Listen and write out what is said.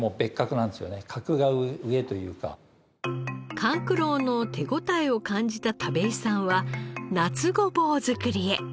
甘久郎の手応えを感じた田部井さんは夏ごぼう作りへ。